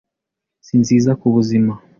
si nziza ku buzima